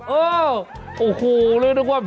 เออโอ้โฮเลยนะครับ